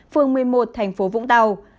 phường một mươi một tp vũng tàu